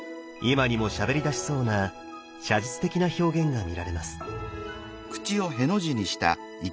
今にもしゃべりだしそうな写実的な表現が見られます。